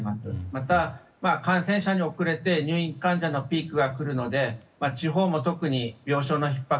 また、感染者に遅れて入院患者のピークが来るので地方も、特に病床のひっ迫